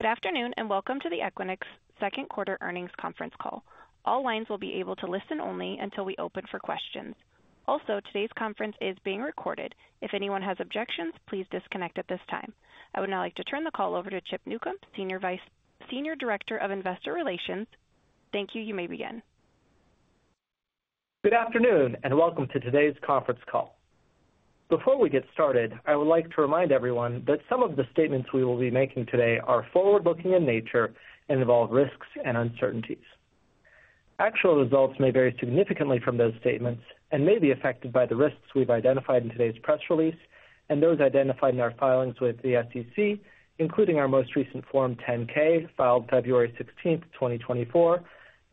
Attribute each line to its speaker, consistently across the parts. Speaker 1: Good afternoon, and welcome to the Equinix Second Quarter Earnings Conference Call. All lines will be able to listen only until we open for questions. Also, today's conference is being recorded. If anyone has objections, please disconnect at this time. I would now like to turn the call over to Chip Newcom, Senior Director of Investor Relations. Thank you. You may begin.
Speaker 2: Good afternoon, and welcome to today's conference call. Before we get started, I would like to remind everyone that some of the statements we will be making today are forward-looking in nature and involve risks and uncertainties. Actual results may vary significantly from those statements and may be affected by the risks we've identified in today's press release and those identified in our filings with the SEC, including our most recent Form 10-K, filed February 16, 2024,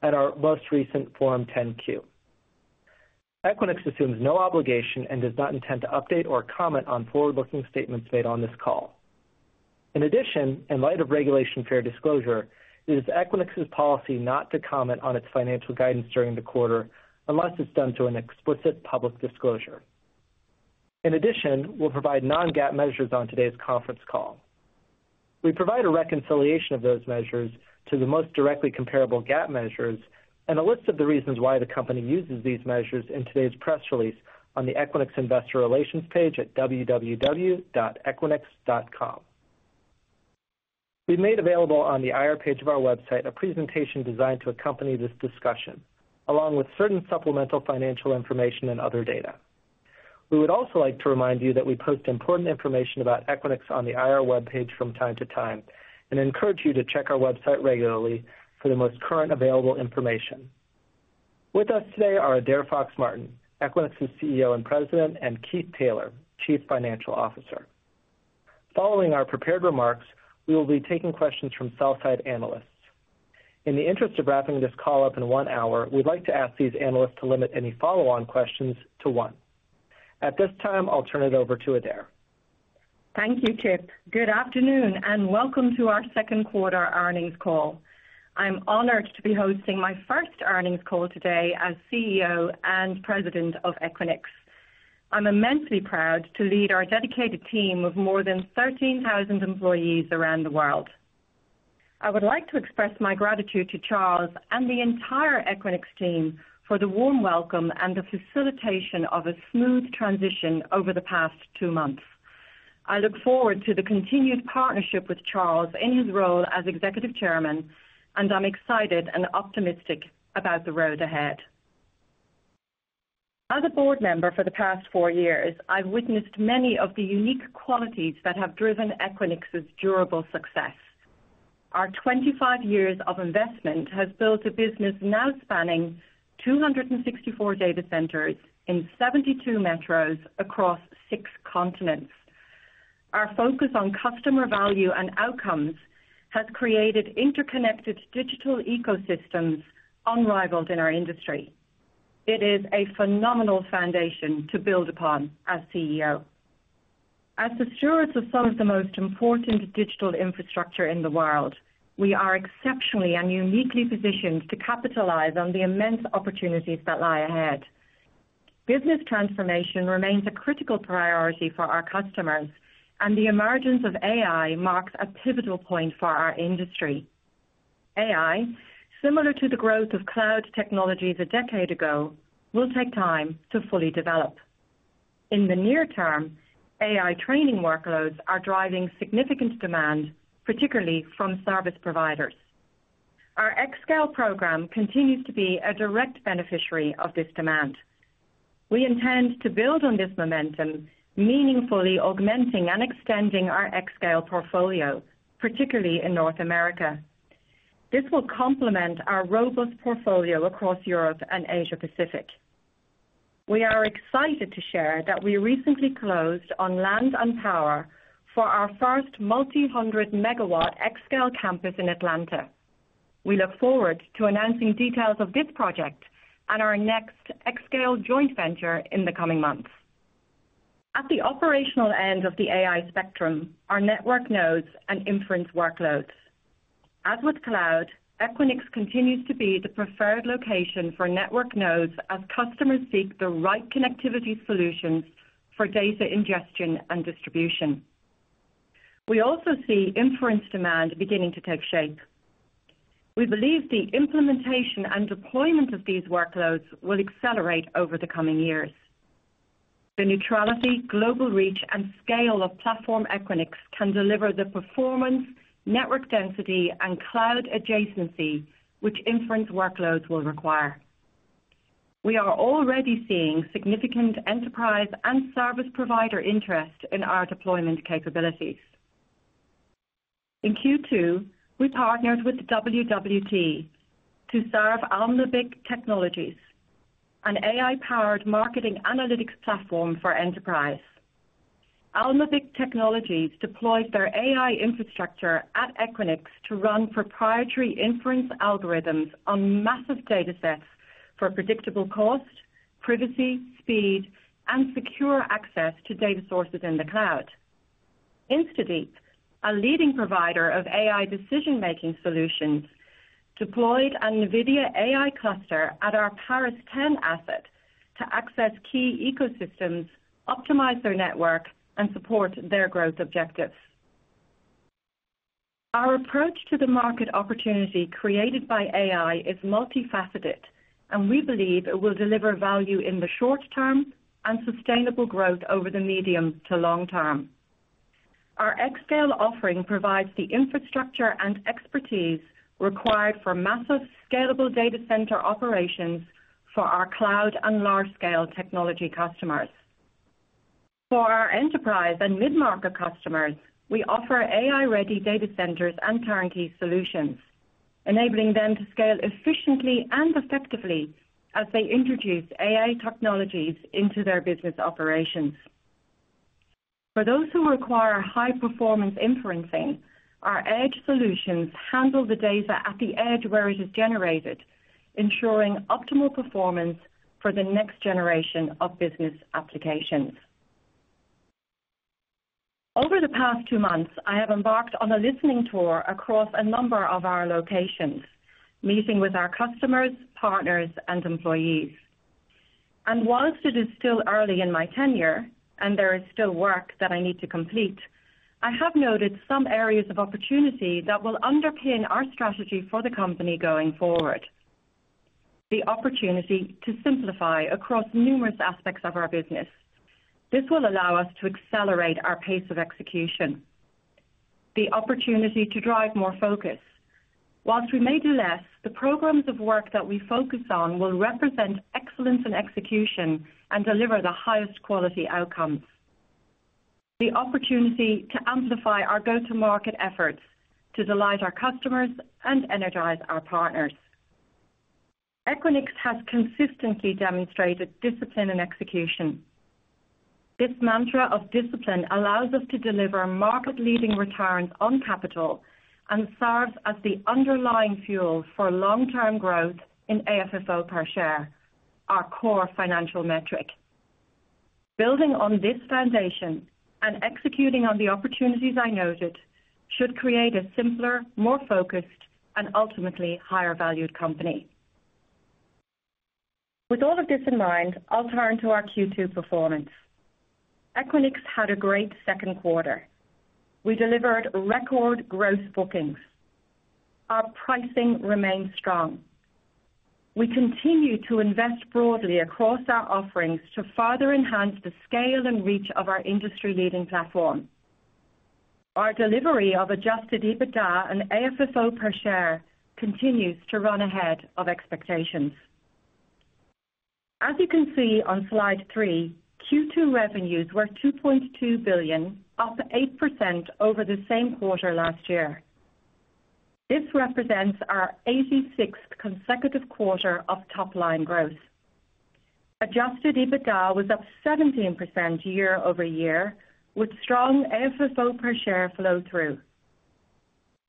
Speaker 2: and our most recent Form 10-Q. Equinix assumes no obligation and does not intend to update or comment on forward-looking statements made on this call. In addition, in light of Regulation Fair Disclosure, it is Equinix's policy not to comment on its financial guidance during the quarter unless it's done to an explicit public disclosure. In addition, we'll provide non-GAAP measures on today's conference call. We provide a reconciliation of those measures to the most directly comparable GAAP measures and a list of the reasons why the company uses these measures in today's press release on the Equinix Investor Relations page at www.equinix.com. We've made available on the IR page of our website a presentation designed to accompany this discussion, along with certain supplemental financial information and other data. We would also like to remind you that we post important information about Equinix on the IR webpage from time to time and encourage you to check our website regularly for the most current available information. With us today are Adaire Fox-Martin, Equinix's CEO and President, and Keith Taylor, Chief Financial Officer. Following our prepared remarks, we will be taking questions from sell-side analysts. In the interest of wrapping this call up in one hour, we'd like to ask these analysts to limit any follow-on questions to one. At this time, I'll turn it over to Adaire.
Speaker 3: Thank you, Chip. Good afternoon, and welcome to our second quarter earnings call. I'm honored to be hosting my first earnings call today as CEO and President of Equinix. I'm immensely proud to lead our dedicated team of more than 13,000 employees around the world. I would like to express my gratitude to Charles and the entire Equinix team for the warm welcome and the facilitation of a smooth transition over the past two months. I look forward to the continued partnership with Charles in his role as Executive Chairman, and I'm excited and optimistic about the road ahead. As a board member for the past four years, I've witnessed many of the unique qualities that have driven Equinix's durable success. Our 25 years of investment has built a business now spanning 264 data centers in 72 metros across 6 continents. Our focus on customer value and outcomes has created interconnected digital ecosystems unrivaled in our industry. It is a phenomenal foundation to build upon as CEO. As the stewards of some of the most important digital infrastructure in the world, we are exceptionally and uniquely positioned to capitalize on the immense opportunities that lie ahead. Business transformation remains a critical priority for our customers, and the emergence of AI marks a pivotal point for our industry. AI, similar to the growth of cloud technologies a decade ago, will take time to fully develop. In the near term, AI training workloads are driving significant demand, particularly from service providers. Our xScale program continues to be a direct beneficiary of this demand. We intend to build on this momentum, meaningfully augmenting and extending our xScale portfolio, particularly in North America. This will complement our robust portfolio across Europe and Asia Pacific. We are excited to share that we recently closed on land and power for our first multi-hundred megawatt xScale campus in Atlanta. We look forward to announcing details of this project and our next xScale joint venture in the coming months. At the operational end of the AI spectrum, are network nodes and inference workloads. As with cloud, Equinix continues to be the preferred location for network nodes as customers seek the right connectivity solutions for data ingestion and distribution. We also see inference demand beginning to take shape. We believe the implementation and deployment of these workloads will accelerate over the coming years. The neutrality, global reach, and scale of platform Equinix can deliver the performance, network density, and cloud adjacency which inference workloads will require. We are already seeing significant enterprise and service provider interest in our deployment capabilities. In Q2, we partnered with WWT to serve Alembic Technologies, an AI-powered marketing analytics platform for enterprise. Alembic Technologies deployed their AI infrastructure at Equinix to run proprietary inference algorithms on massive datasets for predictable cost, privacy, speed, and secure access to data sources in the cloud. InstaDeep, a leading provider of AI decision-making solutions, deployed a NVIDIA AI cluster at our Paris 10 asset to access key ecosystems, optimize their network, and support their growth objectives. Our approach to the market opportunity created by AI is multifaceted, and we believe it will deliver value in the short term and sustainable growth over the medium to long term. Our xScale offering provides the infrastructure and expertise required for massive, scalable data center operations for our cloud and large-scale technology customers. For our enterprise and mid-market customers, we offer AI-ready data centers and turnkey solutions, enabling them to scale efficiently and effectively as they introduce AI technologies into their business operations. For those who require high-performance inferencing, our edge solutions handle the data at the edge where it is generated, ensuring optimal performance for the next generation of business applications. Over the past two months, I have embarked on a listening tour across a number of our locations, meeting with our customers, partners, and employees. While it is still early in my tenure and there is still work that I need to complete, I have noted some areas of opportunity that will underpin our strategy for the company going forward. The opportunity to simplify across numerous aspects of our business. This will allow us to accelerate our pace of execution. The opportunity to drive more focus. While we may do less, the programs of work that we focus on will represent excellence in execution and deliver the highest quality outcomes. The opportunity to amplify our go-to-market efforts to delight our customers and energize our partners. Equinix has consistently demonstrated discipline and execution. This mantra of discipline allows us to deliver market-leading returns on capital and serves as the underlying fuel for long-term growth in AFFO per share, our core financial metric. Building on this foundation and executing on the opportunities I noted should create a simpler, more focused, and ultimately higher-valued company. With all of this in mind, I'll turn to our Q2 performance. Equinix had a great second quarter. We delivered record gross bookings. Our pricing remains strong. We continue to invest broadly across our offerings to further enhance the scale and reach of our industry-leading platform. Our delivery of adjusted EBITDA and AFFO per share continues to run ahead of expectations. As you can see on Slide three, Q2 revenues were $2.2 billion, up 8% over the same quarter last year. This represents our 86th consecutive quarter of top-line growth. Adjusted EBITDA was up 17% year-over-year, with strong AFFO per share flow through.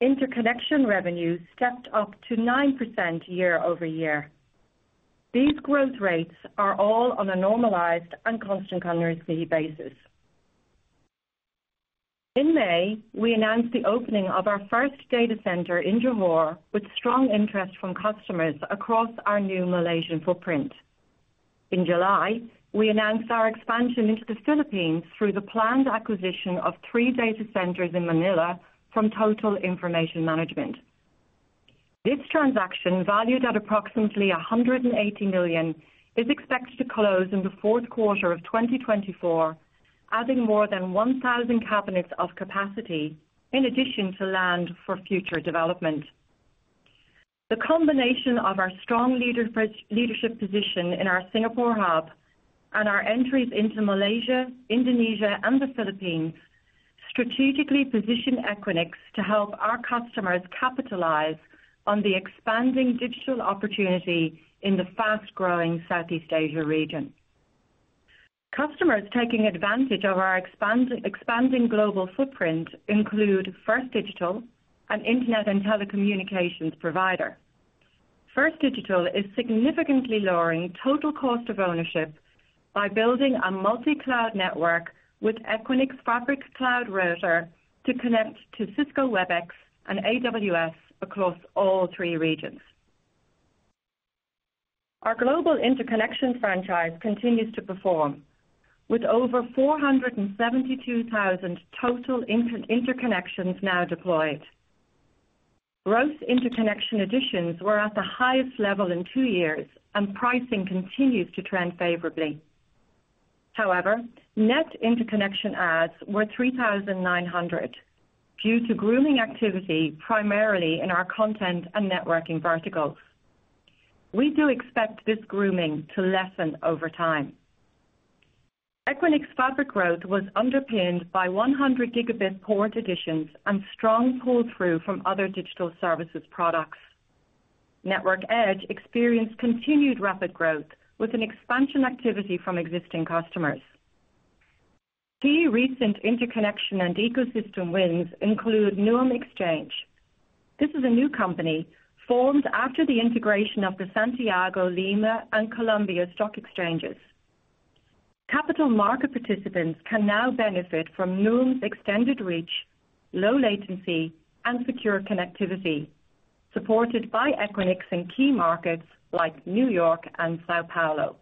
Speaker 3: Interconnection revenues stepped up to 9% year-over-year. These growth rates are all on a normalized and constant currency basis. In May, we announced the opening of our first data center in Johor, with strong interest from customers across our new Malaysian footprint. In July, we announced our expansion into the Philippines through the planned acquisition of three data centers in Manila from Total Information Management. This transaction, valued at approximately $180 million, is expected to close in the fourth quarter of 2024, adding more than 1,000 cabinets of capacity in addition to land for future development. The combination of our strong leadership position in our Singapore hub and our entries into Malaysia, Indonesia, and the Philippines strategically position Equinix to help our customers capitalize on the expanding digital opportunity in the fast-growing Southeast Asia region. Customers taking advantage of our expanding global footprint include FirstDigital, an internet and telecommunications provider. FirstDigital is significantly lowering total cost of ownership by building a multi-cloud network with Equinix Fabric Cloud Router to connect to Cisco Webex and AWS across all three regions. Our global interconnection franchise continues to perform, with over 472,000 total interconnections now deployed. Gross interconnection additions were at the highest level in two years, and pricing continues to trend favorably. However, net interconnection adds were 3,900 due to grooming activity, primarily in our content and networking verticals. We do expect this grooming to lessen over time. Equinix Fabric growth was underpinned by 100 gigabit port additions and strong pull-through from other digital services products. Network Edge experienced continued rapid growth, with an expansion activity from existing customers. Key recent interconnection and ecosystem wins include nuam exchange. This is a new company formed after the integration of the Santiago, Lima, and Colombia Stock Exchanges. Capital market participants can now benefit from nuam's extended reach, low latency, and secure connectivity, supported by Equinix in key markets like New York and São Paulo.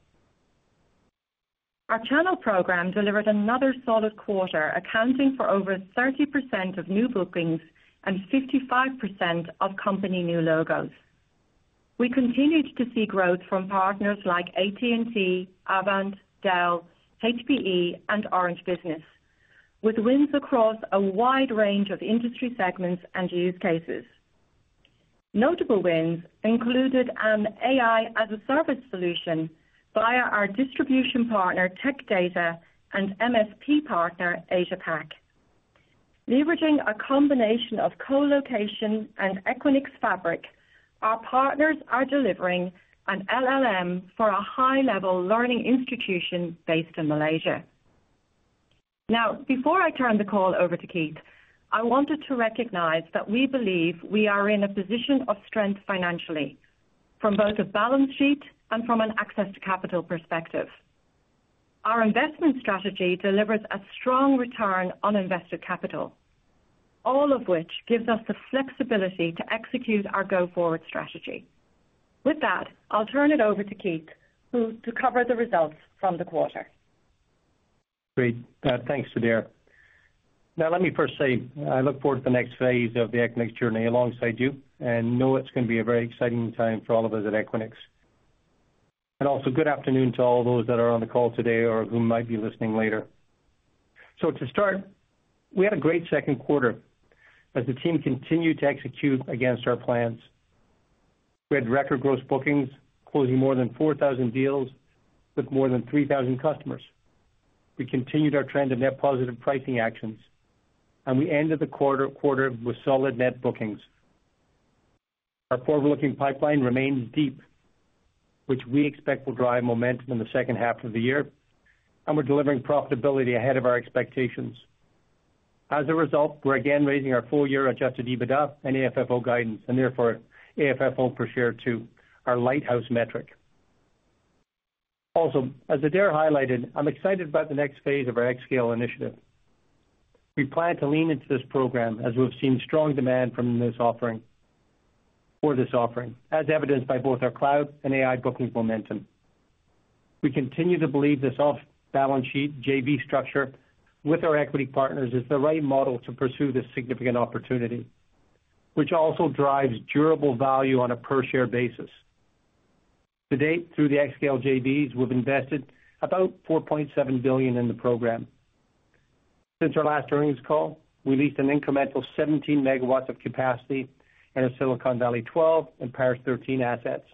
Speaker 3: Our channel program delivered another solid quarter, accounting for over 30% of new bookings and 55% of company new logos. We continued to see growth from partners like AT&T, Avant, Dell, HPE, and Orange Business, with wins across a wide range of industry segments and use cases. Notable wins included an AI-as-a-service solution via our distribution partner, Tech Data, and MSP partner, Asia Pac. Leveraging a combination of colocation and Equinix Fabric, our partners are delivering an LLM for a high-level learning institution based in Malaysia. Now, before I turn the call over to Keith, I wanted to recognize that we believe we are in a position of strength financially, from both a balance sheet and from an access to capital perspective. Our investment strategy delivers a strong return on invested capital, all of which gives us the flexibility to execute our go-forward strategy. With that, I'll turn it over to Keith, to cover the results from the quarter.
Speaker 4: Great. Thanks, Adaire. Now, let me first say, I look forward to the next phase of the Equinix journey alongside you and know it's going to be a very exciting time for all of us at Equinix. Also, good afternoon to all those that are on the call today or who might be listening later. To start, we had a great second quarter as the team continued to execute against our plans. We had record gross bookings, closing more than 4,000 deals with more than 3,000 customers. We continued our trend of net positive pricing actions, and we ended the quarter with solid net bookings. Our forward-looking pipeline remains deep, which we expect will drive momentum in the second half of the year, and we're delivering profitability ahead of our expectations. As a result, we're again raising our full-year adjusted EBITDA and AFFO guidance, and therefore, AFFO per share to our lighthouse metric. Also, as Adaire highlighted, I'm excited about the next phase of our xScale initiative. We plan to lean into this program as we've seen strong demand from this offering, for this offering, as evidenced by both our cloud and AI bookings momentum. We continue to believe this off-balance sheet JV structure with our equity partners is the right model to pursue this significant opportunity, which also drives durable value on a per-share basis. To date, through the xScale JVs, we've invested about $4.7 billion in the program. Since our last earnings call, we leased an incremental 17 MW of capacity in our Silicon Valley 12 and Paris 13 assets.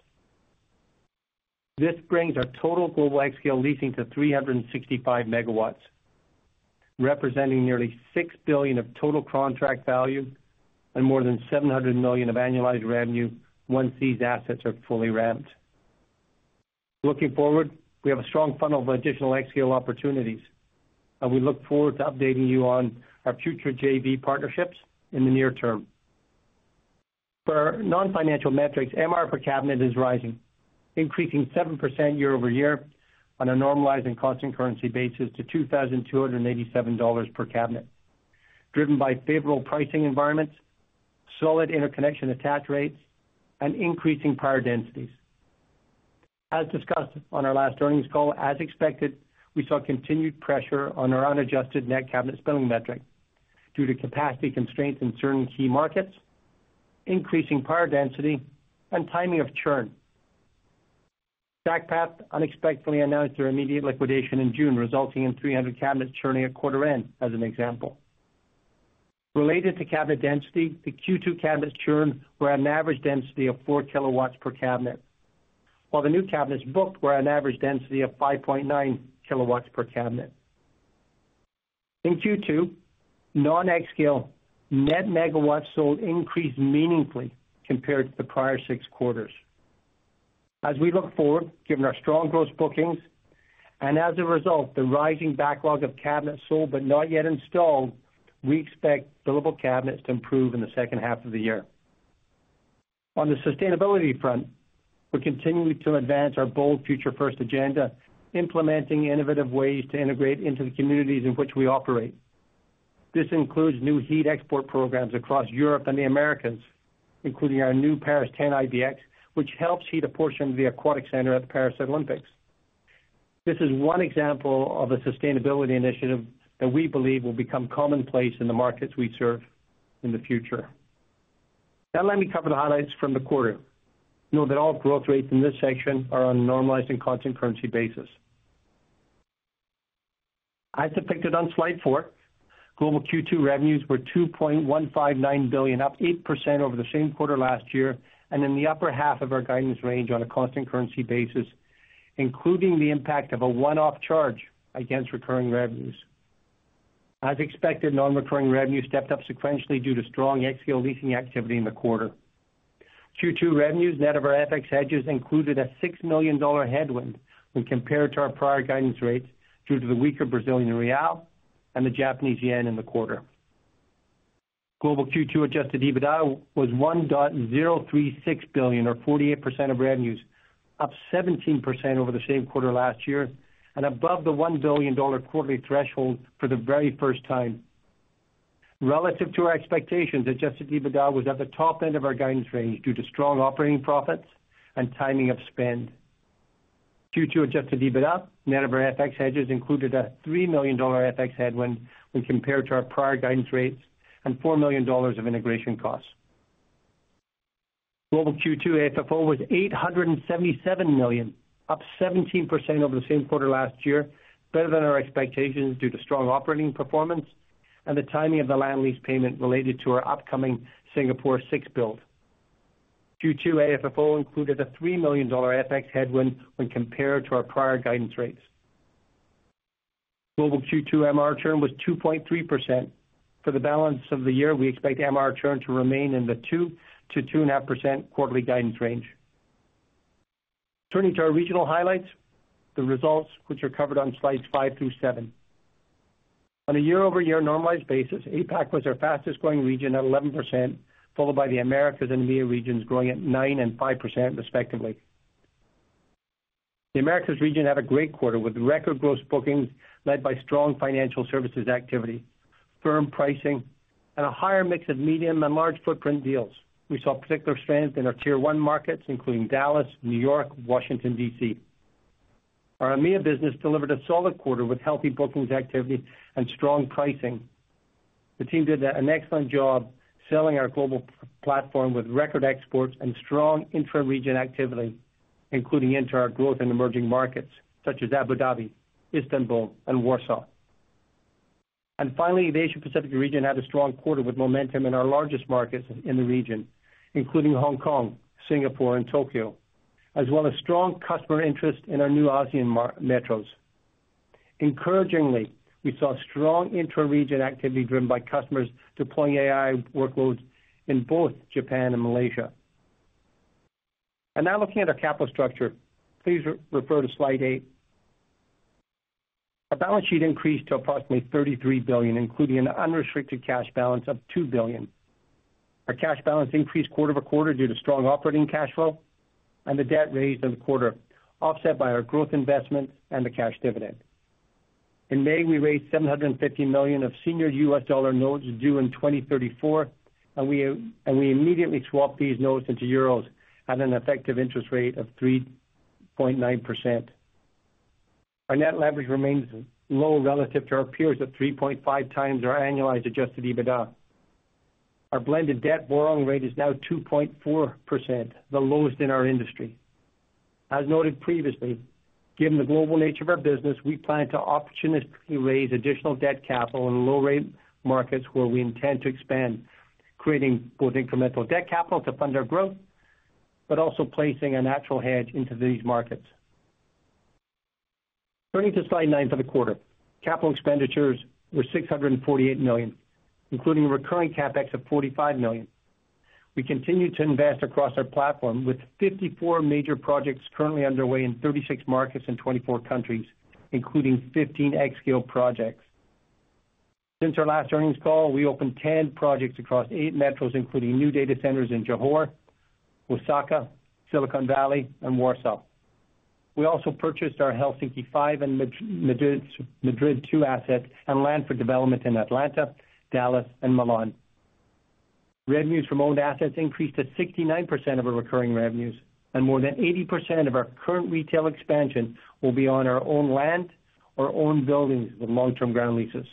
Speaker 4: This brings our total global xScale leasing to 365 megawatts, representing nearly $6 billion of total contract value and more than $700 million of annualized revenue once these assets are fully ramped. Looking forward, we have a strong funnel of additional xScale opportunities, and we look forward to updating you on our future JV partnerships in the near term. For our non-financial metrics, MRR per cabinet is rising, increasing 7% year-over-year on a normalizing constant currency basis to $2,287 per cabinet, driven by favorable pricing environments, solid interconnection attach rates, and increasing power densities. As discussed on our last earnings call, as expected, we saw continued pressure on our unadjusted net cabinet billing metric due to capacity constraints in certain key markets, increasing power density, and timing of churn. StackPath unexpectedly announced their immediate liquidation in June, resulting in 300 cabinets churning at quarter end, as an example. Related to cabinet density, the Q2 cabinets churn were at an average density of 4 kW per cabinet, while the new cabinets booked were an average density of 5.9 kW per cabinet. In Q2, non-xScale net megawatts sold increased meaningfully compared to the prior six quarters. As we look forward, given our strong gross bookings, and as a result, the rising backlog of cabinets sold but not yet installed, we expect billable cabinets to improve in the second half of the year. On the sustainability front, we continue to advance our bold Future First agenda, implementing innovative ways to integrate into the communities in which we operate. This includes new Heat Export programs across Europe and the Americas, including our new Paris 10 IBX, which helps heat a portion of the Aquatic Center at the Paris Olympics. This is one example of a sustainability initiative that we believe will become commonplace in the markets we serve in the future. Now, let me cover the highlights from the quarter. Note that all growth rates in this section are on a normalized and constant currency basis. As depicted on Slide four, global Q2 revenues were $2.159 billion, up 8% over the same quarter last year, and in the upper half of our guidance range on a constant currency basis, including the impact of a one-off charge against recurring revenues. As expected, non-recurring revenue stepped up sequentially due to strong xScale leasing activity in the quarter. Q2 revenues, net of our FX hedges, included a $6 million headwind when compared to our prior guidance rates due to the weaker Brazilian real and the Japanese yen in the quarter. Global Q2 adjusted EBITDA was $1.036 billion, or 48% of revenues, up 17% over the same quarter last year, and above the $1 billion quarterly threshold for the very first time. Relative to our expectations, adjusted EBITDA was at the top end of our guidance range due to strong operating profits and timing of spend. Q2 adjusted EBITDA, net of our FX hedges, included a $3 million FX headwind when compared to our prior guidance rates and $4 million of integration costs. Global Q2 AFFO was $877 million, up 17% over the same quarter last year, better than our expectations due to strong operating performance and the timing of the land lease payment related to our upcoming Singapore 6 build. Q2 AFFO included a $3 million FX headwind when compared to our prior guidance rates. Global Q2 MRR churn was 2.3%. For the balance of the year, we expect MRR churn to remain in the 2%-2.5% quarterly guidance range. Turning to our regional highlights, the results which are covered on Slides five through seven. On a year-over-year normalized basis, APAC was our fastest growing region at 11%, followed by the Americas and EMEA regions, growing at 9% and 5% respectively. The Americas region had a great quarter, with record gross bookings led by strong financial services activity, firm pricing, and a higher mix of medium and large footprint deals. We saw particular strength in our Tier 1 markets, including Dallas, New York, Washington, D.C. Our EMEA business delivered a solid quarter with healthy bookings activity and strong pricing. The team did an excellent job selling our global platform with record exports and strong intra-region activity, including internet growth in emerging markets such as Abu Dhabi, Istanbul, and Warsaw. And finally, the Asia Pacific region had a strong quarter with momentum in our largest markets in the region, including Hong Kong, Singapore, and Tokyo, as well as strong customer interest in our new ASEAN metros. Encouragingly, we saw strong intra-region activity driven by customers deploying AI workloads in both Japan and Malaysia. And now looking at our capital structure. Please refer to Slide eight. Our balance sheet increased to approximately $33 billion, including an unrestricted cash balance of $2 billion. Our cash balance increased quarter-over-quarter due to strong operating cash flow and the debt raised in the quarter, offset by our growth investments and the cash dividend. In May, we raised $750 million of senior U.S. dollar notes due in 2034, and we immediately swapped these notes into euros at an effective interest rate of 3.9%. Our net leverage remains low relative to our peers at 3.5 times our annualized adjusted EBITDA. Our blended debt borrowing rate is now 2.4%, the lowest in our industry. As noted previously, given the global nature of our business, we plan to opportunistically raise additional debt capital in low rate markets where we intend to expand, creating both incremental debt capital to fund our growth, but also placing a natural hedge into these markets. Turning to Slide nine for the quarter. Capital expenditures were $648 million, including recurring CapEx of $45 million. We continue to invest across our platform, with 54 major projects currently underway in 36 markets in 24 countries, including 15 xScale projects. Since our last earnings call, we opened 10 projects across 8 metros, including new data centers in Johor, Osaka, Silicon Valley, and Warsaw. We also purchased our Helsinki 5 and Madrid 2 assets and land for development in Atlanta, Dallas, and Milan. Revenues from owned assets increased to 69% of our recurring revenues, and more than 80% of our current retail expansion will be on our own land or own buildings with long-term ground leases.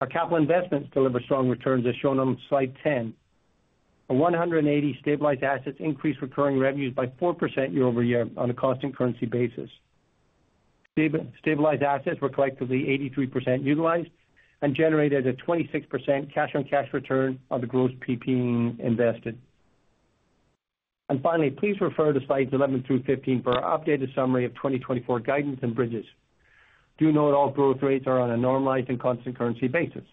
Speaker 4: Our capital investments deliver strong returns, as shown on slide 10. Our 180 stabilized assets increased recurring revenues by 4% year-over-year on a constant currency basis. Stabilized assets were collectively 83% utilized and generated a 26% cash-on-cash return on the gross PPE invested. And finally, please refer to Slides 11 through 15 for our updated summary of 2024 guidance and bridges. Do note all growth rates are on a normalized and constant currency basis.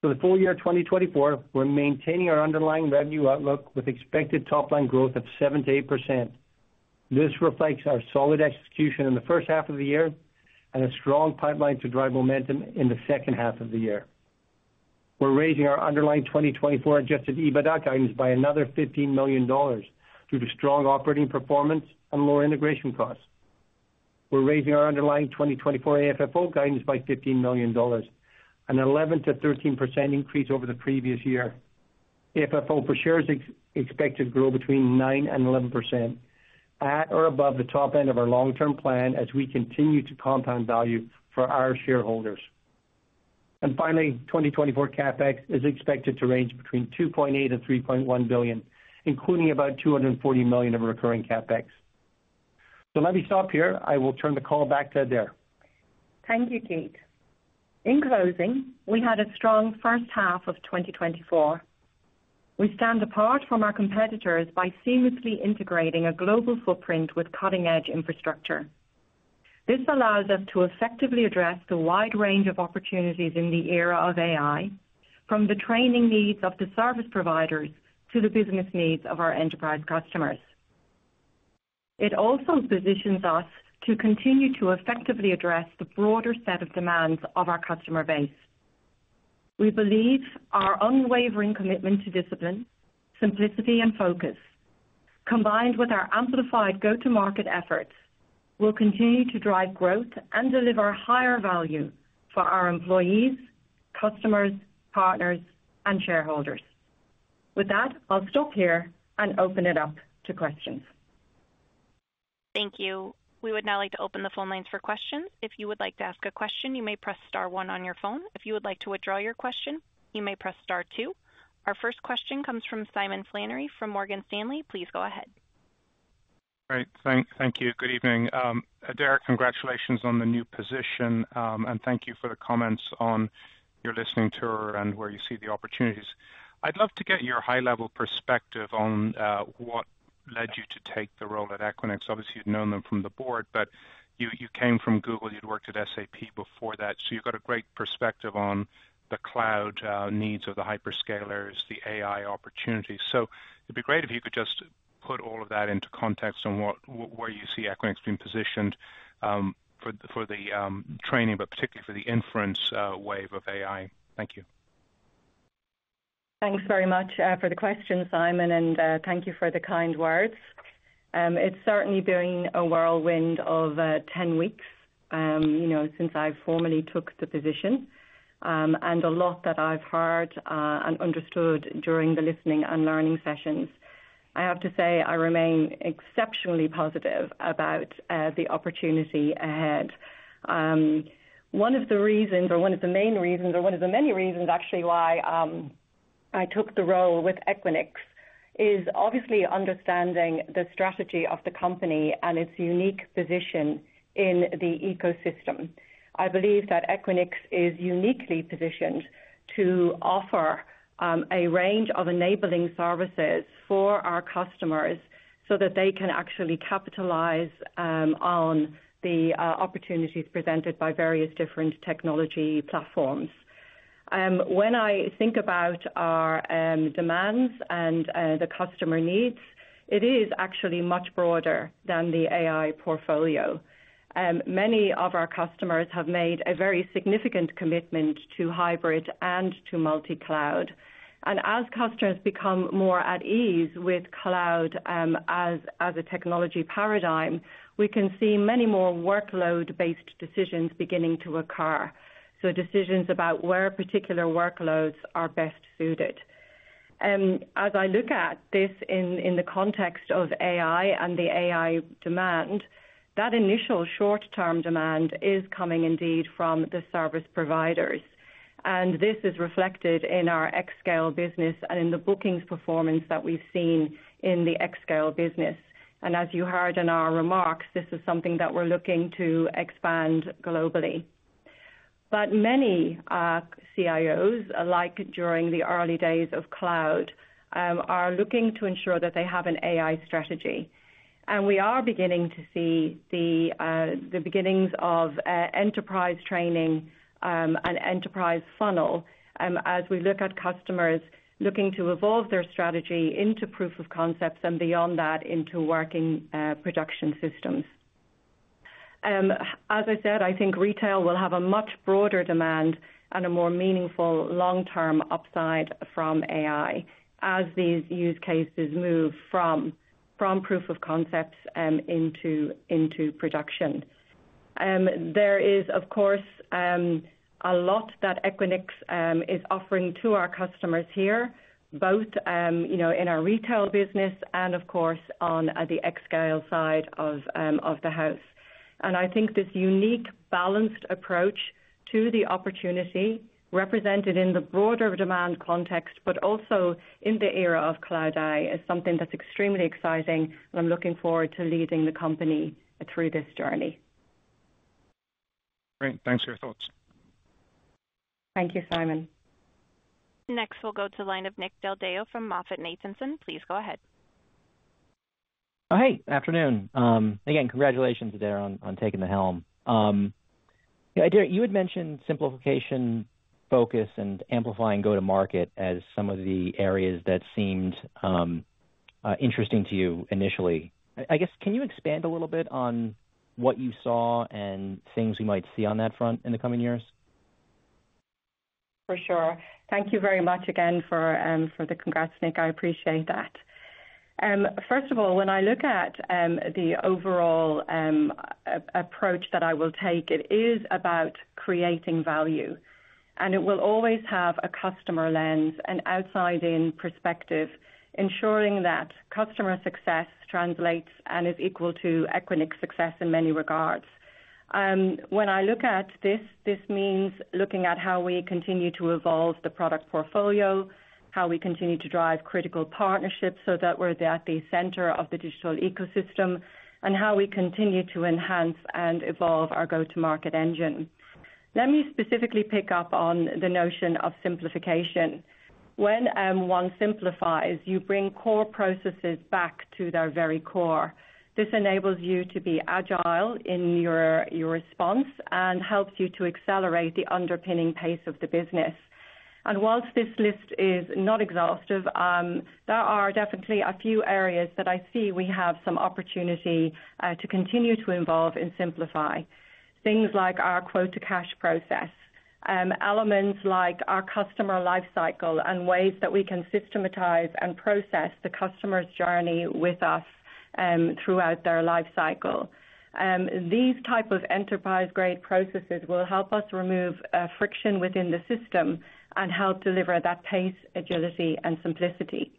Speaker 4: For the full year 2024, we're maintaining our underlying revenue outlook with expected top line growth of 7%-8%. This reflects our solid execution in the first half of the year and a strong pipeline to drive momentum in the second half of the year. We're raising our underlying 2024 adjusted EBITDA guidance by another $15 million due to strong operating performance and lower integration costs. We're raising our underlying 2024 AFFO guidance by $15 million, an 11%-13% increase over the previous year. AFFO per share is expected to grow between 9%-11%, at or above the top end of our long-term plan as we continue to compound value for our shareholders. And finally, 2024 CapEx is expected to range between $2.8 billion-$3.1 billion, including about $240 million of recurring CapEx. So let me stop here. I will turn the call back to Adaire.
Speaker 3: Thank you, Keith. In closing, we had a strong first half of 2024. We stand apart from our competitors by seamlessly integrating a global footprint with cutting-edge infrastructure. This allows us to effectively address the wide range of opportunities in the era of AI, from the training needs of the service providers to the business needs of our enterprise customers. It also positions us to continue to effectively address the broader set of demands of our customer base. We believe our unwavering commitment to discipline, simplicity, and focus, combined with our amplified go-to-market efforts, will continue to drive growth and deliver higher value for our employees, customers, partners, and shareholders. With that, I'll stop here and open it up to questions.
Speaker 1: Thank you. We would now like to open the phone lines for questions. If you would like to ask a question, you may press star one on your phone. If you would like to withdraw your question, you may press star two. Our first question comes from Simon Flannery from Morgan Stanley. Please go ahead.
Speaker 5: Great. Thank you. Good evening. Adaire, congratulations on the new position, and thank you for the comments on your listening tour and where you see the opportunities. I'd love to get your high-level perspective on what led you to take the role at Equinix. Obviously, you'd known them from the board, but you came from Google. You'd worked at SAP before that, so you've got a great perspective on the cloud needs of the hyperscalers, the AI opportunities. So it'd be great if you could just put all of that into context on where you see Equinix being positioned for the training, but particularly for the inference wave of AI. Thank you.
Speaker 3: Thanks very much for the question, Simon, and thank you for the kind words. It's certainly been a whirlwind of 10 weeks, you know, since I formally took the position, and a lot that I've heard and understood during the listening and learning sessions. I have to say, I remain exceptionally positive about the opportunity ahead. One of the reasons, or one of the main reasons, or one of the many reasons, actually, why I took the role with Equinix is obviously understanding the strategy of the company and its unique position in the ecosystem. I believe that Equinix is uniquely positioned to offer a range of enabling services for our customers so that they can actually capitalize on the opportunities presented by various different technology platforms. When I think about our demands and the customer needs, it is actually much broader than the AI portfolio. Many of our customers have made a very significant commitment to hybrid and to multi-cloud. And as customers become more at ease with cloud, as a technology paradigm, we can see many more workload-based decisions beginning to occur, so decisions about where particular workloads are best suited. As I look at this in the context of AI and the AI demand, that initial short-term demand is coming indeed from the service providers, and this is reflected in our xScale business and in the bookings performance that we've seen in the xScale business. And as you heard in our remarks, this is something that we're looking to expand globally. But many CIOs, alike during the early days of cloud, are looking to ensure that they have an AI strategy. And we are beginning to see the beginnings of enterprise training and enterprise funnel as we look at customers looking to evolve their strategy into proof of concepts and beyond that into working production systems. As I said, I think retail will have a much broader demand and a more meaningful long-term upside from AI as these use cases move from proof of concepts into production. There is, of course, a lot that Equinix is offering to our customers here, both, you know, in our retail business and of course, on the xScale side of the house. I think this unique, balanced approach to the opportunity, represented in the broader demand context, but also in the era of cloud AI, is something that's extremely exciting, and I'm looking forward to leading the company through this journey.
Speaker 5: Great. Thanks for your thoughts.
Speaker 3: Thank you, Simon.
Speaker 1: Next, we'll go to the line of Nick Del Deo from MoffettNathanson. Please go ahead.
Speaker 6: Oh, hey, afternoon. Again, congratulations, Adaire, on, on taking the helm. Adaire, you had mentioned simplification, focus, and amplifying go-to-market as some of the areas that seemed interesting to you initially. I guess, can you expand a little bit on what you saw and things you might see on that front in the coming years?
Speaker 3: For sure. Thank you very much again for the congrats, Nick. I appreciate that. First of all, when I look at the overall approach that I will take, it is about creating value, and it will always have a customer lens and outside-in perspective, ensuring that customer success translates and is equal to Equinix success in many regards. When I look at this, this means looking at how we continue to evolve the product portfolio, how we continue to drive critical partnerships so that we're at the center of the digital ecosystem, and how we continue to enhance and evolve our go-to-market engine. Let me specifically pick up on the notion of simplification. When one simplifies, you bring core processes back to their very core. This enables you to be agile in your response and helps you to accelerate the underpinning pace of the business. Whilst this list is not exhaustive, there are definitely a few areas that I see we have some opportunity to continue to involve and simplify. Things like our quote-to-cash process, elements like our customer life cycle, and ways that we can systematize and process the customer's journey with us, throughout their life cycle. These type of enterprise-grade processes will help us remove friction within the system and help deliver that pace, agility, and simplicity.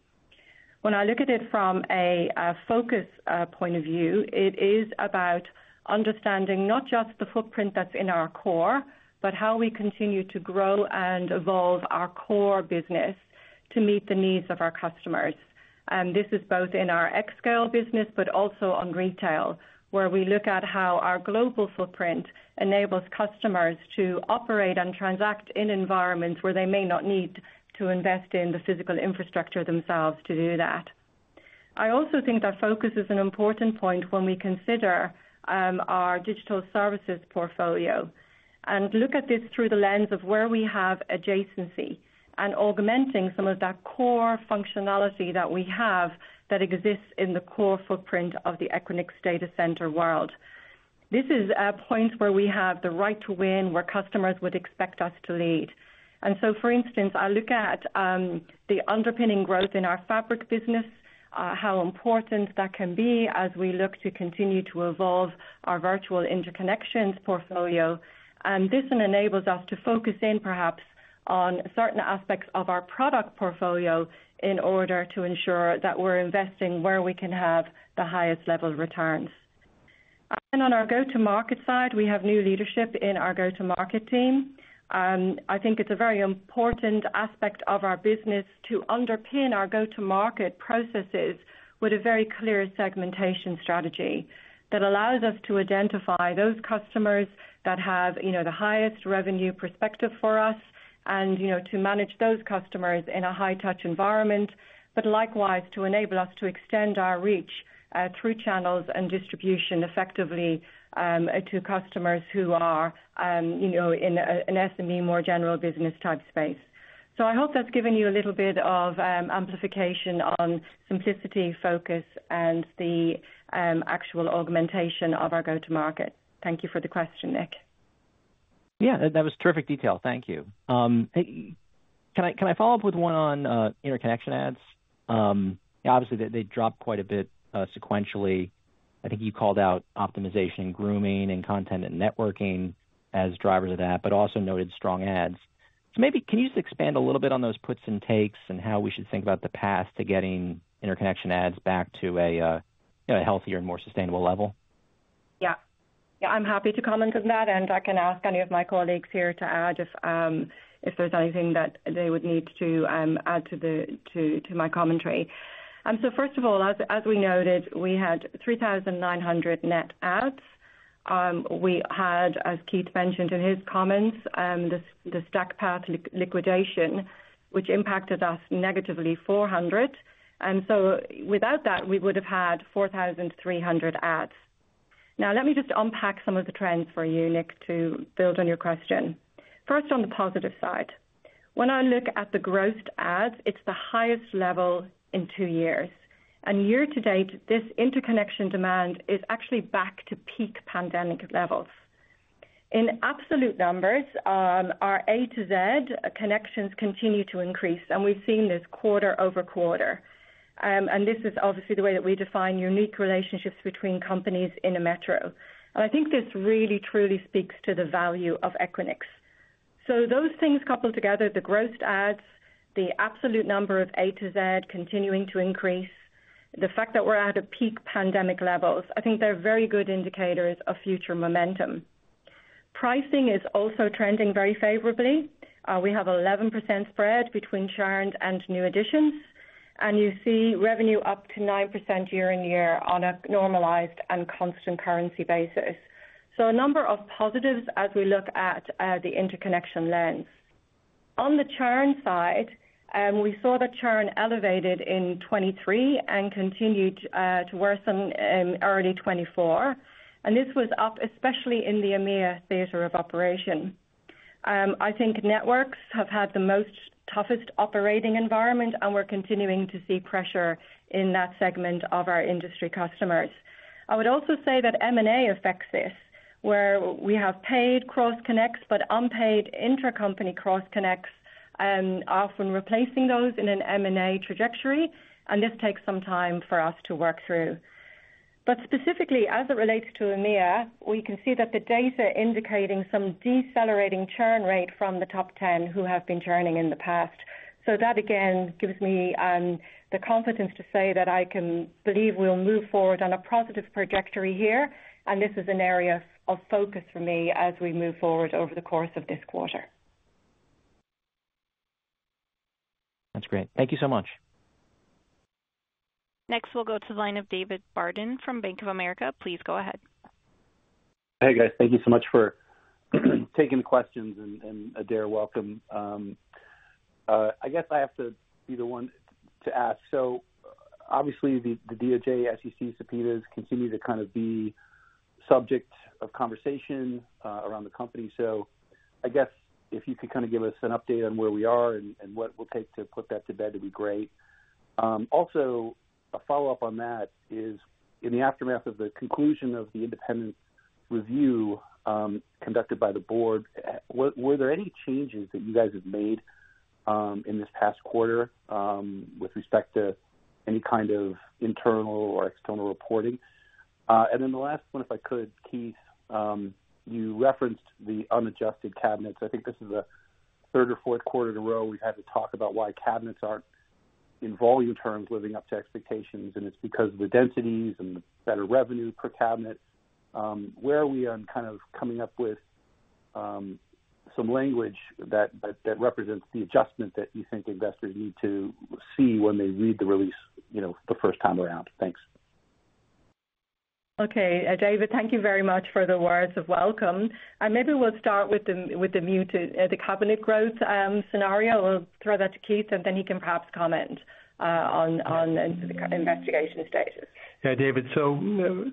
Speaker 3: When I look at it from a focus point of view, it is about understanding not just the footprint that's in our core, but how we continue to grow and evolve our core business to meet the needs of our customers. This is both in our xScale business, but also on retail, where we look at how our global footprint enables customers to operate and transact in environments where they may not need to invest in the physical infrastructure themselves to do that. I also think that focus is an important point when we consider our digital services portfolio and look at this through the lens of where we have adjacency and augmenting some of that core functionality that we have that exists in the core footprint of the Equinix data center world. This is a point where we have the right to win, where customers would expect us to lead. And so, for instance, I look at the underpinning growth in our fabric business, how important that can be as we look to continue to evolve our virtual interconnections portfolio. This enables us to focus in perhaps on certain aspects of our product portfolio in order to ensure that we're investing where we can have the highest level of returns. On our go-to-market side, we have new leadership in our go-to-market team. I think it's a very important aspect of our business to underpin our go-to-market processes with a very clear segmentation strategy that allows us to identify those customers that have, you know, the highest revenue perspective for us, and, you know, to manage those customers in a high-touch environment, but likewise, to enable us to extend our reach through channels and distribution effectively to customers who are, you know, in an SME, more general business type space. So I hope that's given you a little bit of amplification on simplicity, focus, and the actual augmentation of our go-to-market. Thank you for the question, Nick.
Speaker 6: Yeah, that was terrific detail. Thank you. Hey, can I follow up with one on interconnection ads? Obviously, they dropped quite a bit sequentially. I think you called out optimization, grooming, and content and networking as drivers of that, but also noted strong ads. So maybe can you just expand a little bit on those puts and takes, and how we should think about the path to getting interconnection ads back to a you know, a healthier and more sustainable level?
Speaker 3: Yeah. Yeah, I'm happy to comment on that, and I can ask any of my colleagues here to add if there's anything that they would need to add to my commentary. So first of all, as we noted, we had 3,900 net ads. We had, as Keith mentioned in his comments, the StackPath liquidation, which impacted us negatively, 400. And so without that, we would have had 4,300 ads. Now, let me just unpack some of the trends for you, Nick, to build on your question. First, on the positive side, when I look at the gross ads, it's the highest level in two years, and year to date, this interconnection demand is actually back to peak pandemic levels. In absolute numbers, our A to Z connections continue to increase, and we've seen this quarter-over-quarter. And this is obviously the way that we define unique relationships between companies in a metro. And I think this really, truly speaks to the value of Equinix. So those things coupled together, the gross adds, the absolute number of A to Z continuing to increase, the fact that we're at a peak pandemic levels, I think they're very good indicators of future momentum. Pricing is also trending very favorably. We have 11% spread between churned and new additions, and you see revenue up 9% year-on-year on a normalized and constant currency basis. So a number of positives as we look at the interconnection lens. On the churn side, we saw the churn elevated in 2023 and continued to worsen in early 2024, and this was up, especially in the EMEA theater of operation. I think networks have had the most toughest operating environment, and we're continuing to see pressure in that segment of our industry customers. I would also say that M&A affects this, where we have paid cross connects, but unpaid intercompany cross connects, often replacing those in an M&A trajectory, and this takes some time for us to work through. But specifically, as it relates to EMEA, we can see that the data indicating some decelerating churn rate from the top 10 who have been churning in the past. So that, again, gives me the confi1dence to say that I can believe we'll move forward on a positive trajectory here, and this is an area of focus for me as we move forward over the course of this quarter.
Speaker 6: That's great. Thank you so much.
Speaker 1: Next, we'll go to the line of David Barden from Bank of America. Please go ahead.
Speaker 7: Hey, guys. Thank you so much for taking the questions, and Adaire, welcome. I guess I have to be the one to ask. So obviously, the DOJ, SEC subpoenas continue to kind of be a subject of conversation around the company. So I guess if you could kind of give us an update on where we are and what it will take to put that to bed, that'd be great. Also, a follow-up on that is, in the aftermath of the conclusion of the independent review conducted by the Board, were there any changes that you guys have made in this past quarter with respect to any kind of internal or external reporting? And then the last one, if I could, Keith, you referenced the unadjusted cabinets. I think this is the third or fourth quarter in a row, we've had to talk about why cabinets aren't, in volume terms, living up to expectations, and it's because of the densities and the better revenue per cabinet. Where are we on kind of coming up with some language that represents the adjustment that you think investors need to see when they read the release, you know, the first time around? Thanks.
Speaker 3: Okay, David, thank you very much for the words of welcome. Maybe we'll start with the muted cabinet growth scenario. We'll throw that to Keith, and then he can perhaps comment on the investigation status.
Speaker 4: Yeah, David. So,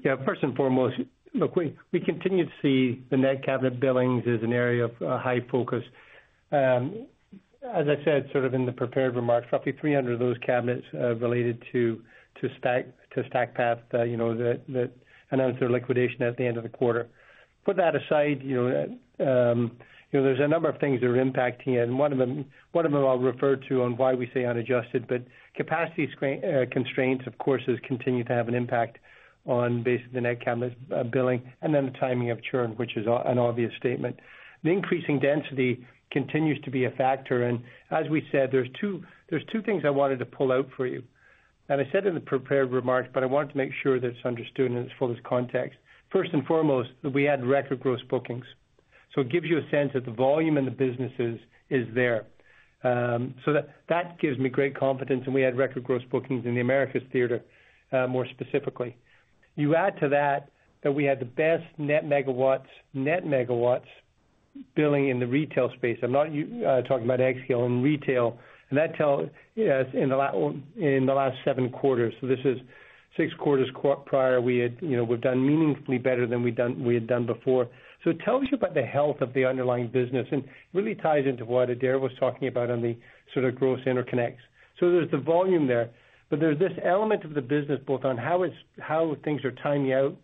Speaker 4: yeah, first and foremost, look, we continue to see the net cabinet billings as an area of high focus. As I said, sort of in the prepared remarks, roughly 300 of those cabinets related to StackPath, you know, that announced their liquidation at the end of the quarter. Put that aside, you know, there's a number of things that are impacting, and one of them, one of them I'll refer to on why we say unadjusted, but capacity constraints, of course, has continued to have an impact on basically the net cabinet billing and then the timing of churn, which is an obvious statement. The increasing density continues to be a factor, and as we said, there's two, there's two things I wanted to pull out for you. I said in the prepared remarks, but I wanted to make sure that it's understood and it's fully in this context. First and foremost, we had record gross bookings. So it gives you a sense that the volume in the businesses is there. So that gives me great confidence, and we had record gross bookings in the Americas theater, more specifically. You add to that, that we had the best net megawatts, net megawatts billing in the retail space. I'm not talking about xScale in retail, and that in the last seven quarters. So this is six quarters prior, we had, you know, we've done meaningfully better than we had done before. So it tells you about the health of the underlying business and really ties into what Adaire was talking about on the sort of gross interconnects. So there's the volume there, but there's this element of the business, both on how things are timing out.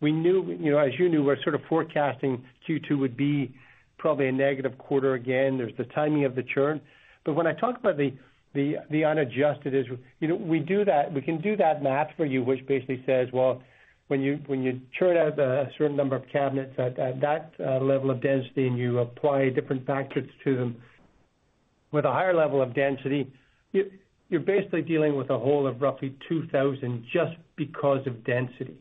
Speaker 4: We knew, you know, as you knew, we're sort of forecasting Q2 would be probably a negative quarter again, there's the timing of the churn. But when I talk about the unadjusted is, you know, we do that. We can do that math for you, which basically says, well, when you churn out a certain number of cabinets at that level of density, and you apply different factors to them, with a higher level of density, you're basically dealing with a hole of roughly $2,000 just because of density.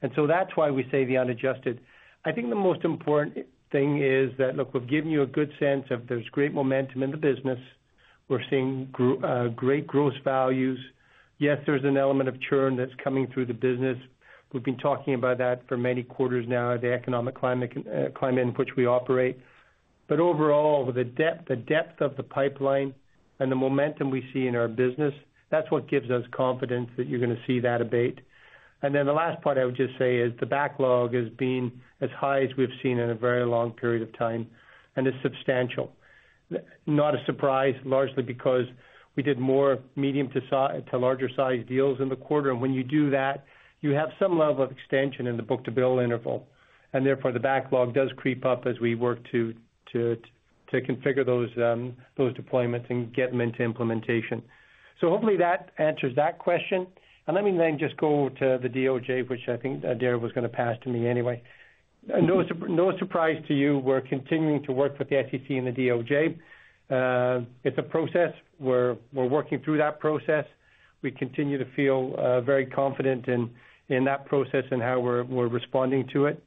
Speaker 4: That's why we say the unadjusted. I think the most important thing is that, look, we've given you a good sense of there's great momentum in the business. We're seeing great growth values. Yes, there's an element of churn that's coming through the business. We've been talking about that for many quarters now, the economic climate in which we operate. But overall, the depth of the pipeline and the momentum we see in our business, that's what gives us confidence that you're gonna see that abate. And then the last part I would just say is the backlog has been as high as we've seen in a very long period of time, and it's substantial. Not a surprise, largely because we did more medium to larger size deals in the quarter. And when you do that, you have some level of extension in the book-to-bill interval, and therefore the backlog does creep up as we work to configure those deployments and get them into implementation. So hopefully that answers that question. And let me then just go to the DOJ, which I think Adaire was gonna pass to me anyway. No surprise to you, we're continuing to work with the SEC and the DOJ. It's a process. We're working through that process. We continue to feel very confident in that process and how we're responding to it.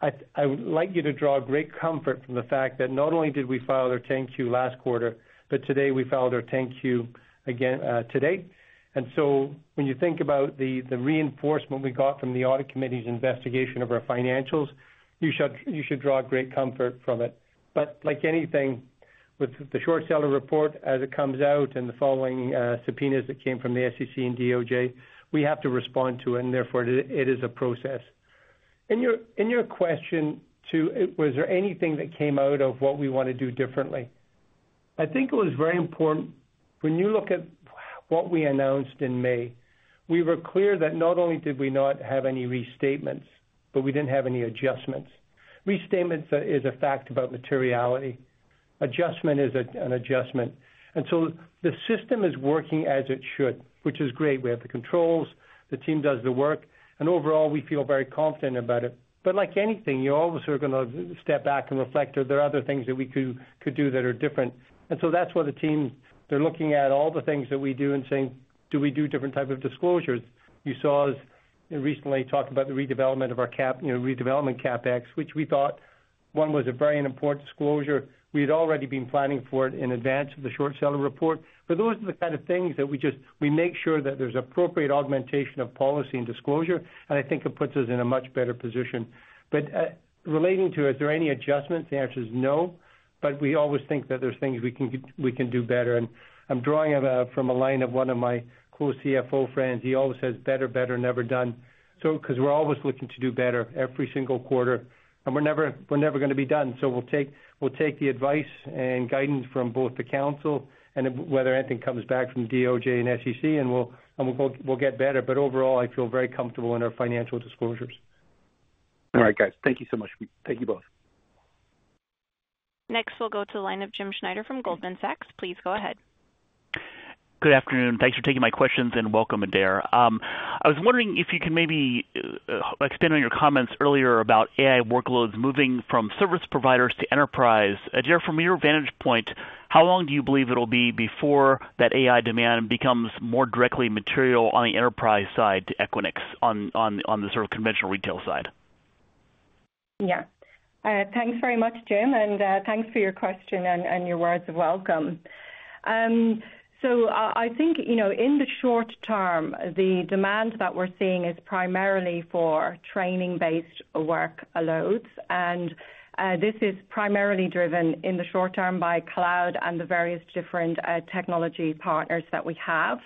Speaker 4: I would like you to draw great comfort from the fact that not only did we file our 10-Q last quarter, but today we filed our 10-Q again, today. And so when you think about the reinforcement we got from the audit committee's investigation of our financials, you should draw great comfort from it. But like anything, with the short seller report, as it comes out and the following subpoenas that came from the SEC and DOJ, we have to respond to it, and therefore, it is a process. In your question, too, was there anything that came out of what we want to do differently? I think it was very important. When you look at what we announced in May, we were clear that not only did we not have any restatements, but we didn't have any adjustments. Restatements is a fact about materiality. Adjustment is an adjustment, and so the system is working as it should, which is great. We have the controls, the team does the work, and overall, we feel very confident about it. But like anything, you're always sort of gonna step back and reflect, are there other things that we could, could do that are different? And so that's why the team, they're looking at all the things that we do and saying, "Do we do different type of disclosures?" You saw us recently talk about the redevelopment of our cap, you know, redevelopment CapEx, which we thought, one, was a very important disclosure. We had already been planning for it in advance of the short seller report. But those are the kind of things that we just- we make sure that there's appropriate augmentation of policy and disclosure, and I think it puts us in a much better position. But, relating to, are there any adjustments? The answer is no, but we always think that there's things we can do better. And I'm drawing from a line of one of my cool CFO friends. He always says, "Better, better, never done." So because we're always looking to do better every single quarter, and we're never, we're never gonna be done. So we'll take, we'll take the advice and guidance from both the council and whether anything comes back from DOJ and SEC, and we'll, and we'll, we'll get better. But overall, I feel very comfortable in our financial disclosures.
Speaker 7: All right, guys, thank you so much. Thank you both.
Speaker 1: Next, we'll go to the line of Jim Schneider from Goldman Sachs. Please go ahead.
Speaker 8: Good afternoon. Thanks for taking my questions, and welcome, Adaire. I was wondering if you can maybe expand on your comments earlier about AI workloads moving from service providers to enterprise. Adaire, from your vantage point, how long do you believe it'll be before that AI demand becomes more directly material on the enterprise side to Equinix, on the sort of conventional retail side?
Speaker 3: Yeah. Thanks very much, Jim, and thanks for your question and your words of welcome. So, I think, you know, in the short term, the demand that we're seeing is primarily for training-based workloads, and this is primarily driven in the short term by cloud and the various different technology partners that we have.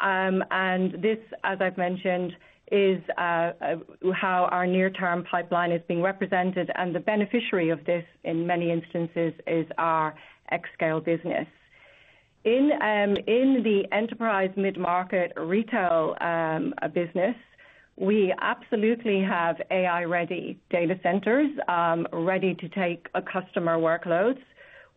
Speaker 3: And this, as I've mentioned, is how our near-term pipeline is being represented, and the beneficiary of this, in many instances, is our xScale business. In the enterprise mid-market retail business, we absolutely have AI-ready data centers ready to take a customer workloads.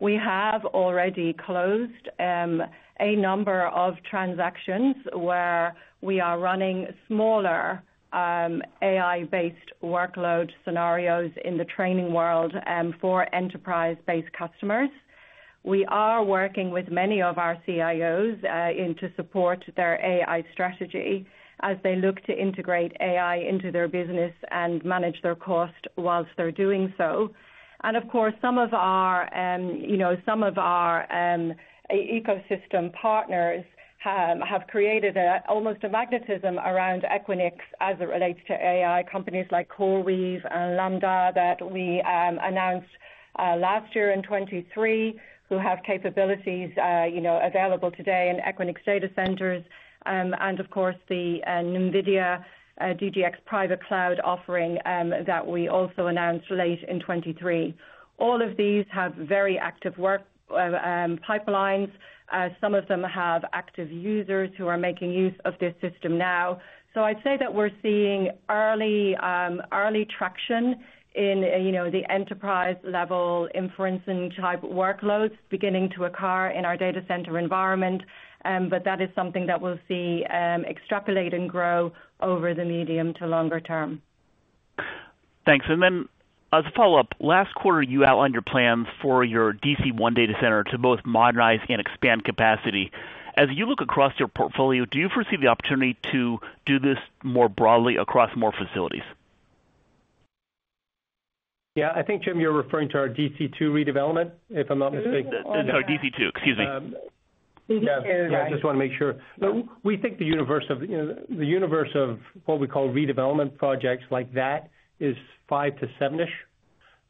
Speaker 3: We have already closed a number of transactions where we are running smaller AI-based workload scenarios in the training world for enterprise-based customers. We are working with many of our CIOs in to support their AI strategy as they look to integrate AI into their business and manage their cost whilst they're doing so. And of course, some of our, you know, some of our ecosystem partners have created almost a magnetism around Equinix as it relates to AI, companies like CoreWeave and Lambda, that we announced last year in 2023, who have capabilities, you know, available today in Equinix data centers. And of course, the NVIDIA DGX Private Cloud offering that we also announced late in 2023. All of these have very active work pipelines. Some of them have active users who are making use of this system now. So I'd say that we're seeing early traction in, you know, the enterprise-level inferencing-type workloads beginning to occur in our data center environment, but that is something that we'll see extrapolate and grow over the medium to longer term.
Speaker 8: Thanks. And then as a follow-up, last quarter, you outlined your plans for your DC1 data center to both modernize and expand capacity. As you look across your portfolio, do you foresee the opportunity to do this more broadly across more facilities?
Speaker 4: Yeah. I think, Jim, you're referring to our DC2 redevelopment, if I'm not mistaken.
Speaker 8: Sorry, DC2. Excuse me.
Speaker 3: DC2.
Speaker 4: Yeah, I just want to make sure. But we think the universe of, you know, the universe of what we call redevelopment projects like that is 5-7-ish.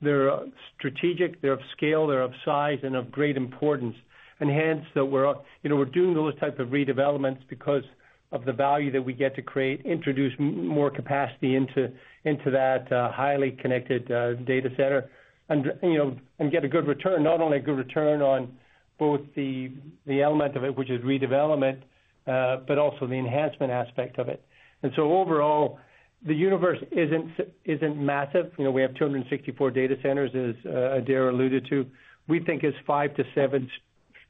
Speaker 4: They're strategic, they're of scale, they're of size and of great importance. And hence, so we're, you know, we're doing those type of redevelopments because of the value that we get to create, introduce more capacity into, into that, highly connected, data center, and, you know, and get a good return, not only a good return on both the, the element of it, which is redevelopment, but also the enhancement aspect of it. And so overall, the universe isn't, isn't massive. You know, we have 264 data centers, as, Adaire alluded to. We think it's 5-7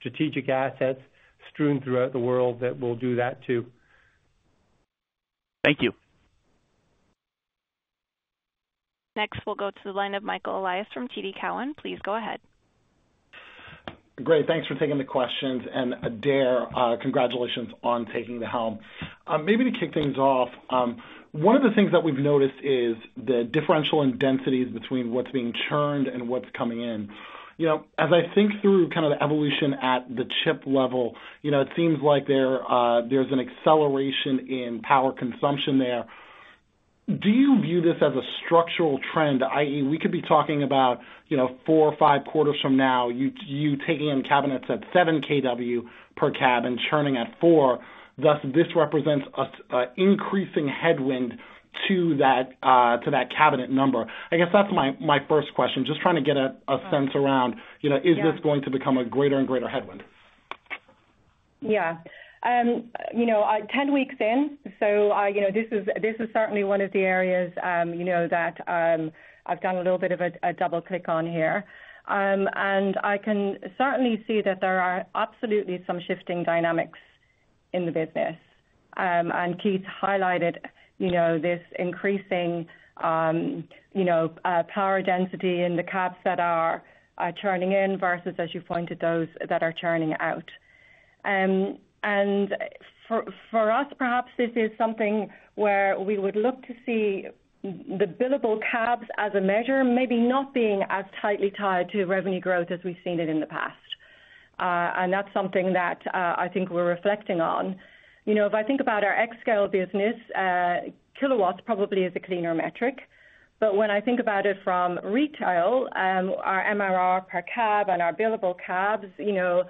Speaker 4: strategic assets strewn throughout the world that we'll do that to.
Speaker 8: Thank you.
Speaker 1: Next, we'll go to the line of Michael Elias from TD Cowen. Please go ahead.
Speaker 9: Great, thanks for taking the questions. Adaire, congratulations on taking the helm. Maybe to kick things off, one of the things that we've noticed is the differential in densities between what's being churned and what's coming in. You know, as I think through kind of the evolution at the chip level, you know, it seems like there, there's an acceleration in power consumption there. Do you view this as a structural trend? i.e., we could be talking about, you know, four or five quarters from now, you taking in cabinets at 7 kW per cab and churning at 4, thus, this represents a increasing headwind to that cabinet number. I guess that's my first question. Just trying to get a sense around, you know, is this going to become a greater and greater headwind?
Speaker 3: Yeah. You know, 10 weeks in, so I— you know, this is, this is certainly one of the areas, you know, that, I've done a little bit of a, a double click on here. And I can certainly see that there are absolutely some shifting dynamics in the business. And Keith highlighted, you know, this increasing, you know, power density in the cabs that are churning in versus, as you pointed, those that are churning out. And for us, perhaps this is something where we would look to see the billable cabs as a measure, maybe not being as tightly tied to revenue growth as we've seen it in the past. And that's something that, I think we're reflecting on. You know, if I think about our xScale business, kilowatts probably is a cleaner metric. But when I think about it from retail, our MRR per cab and our billable cabs, you know,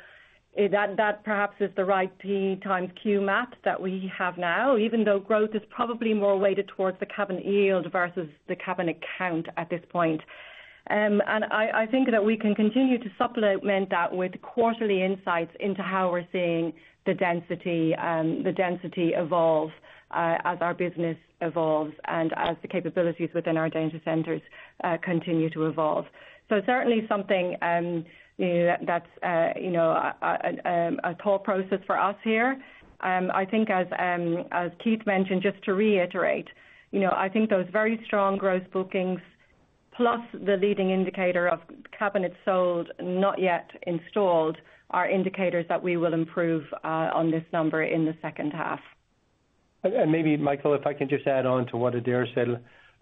Speaker 3: that perhaps is the right P times Q math that we have now, even though growth is probably more weighted towards the cabinet yield versus the cabinet count at this point. And I think that we can continue to supplement that with quarterly insights into how we're seeing the density, the density evolve, as our business evolves and as the capabilities within our data centers continue to evolve. So certainly something, you know, that's a thought process for us here. I think as, as Keith mentioned, just to reiterate, you know, I think those very strong gross bookings, plus the leading indicator of cabinets sold, not yet installed, are indicators that we will improve on this number in the second half.
Speaker 4: And maybe, Michael, if I can just add on to what Adaire said.